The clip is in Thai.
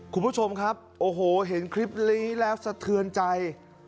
คุณผู้ชมครับโอ้โหเห็นคลิปนี้แล้วสะเทือนใจ